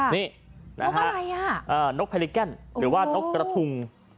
นุ๊กอะไรอ่ะงคปริกแกนหรือว่านกกระทุง